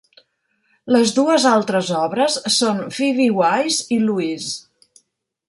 Les dues altres obres són "Phoebe Wise" i "Louise".